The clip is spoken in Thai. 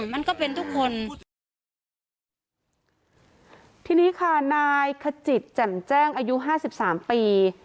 มันก็เป็นทุกคนทีนี้ค่ะนายขจิตแจ่มแจ้งอายุห้าสิบสามปี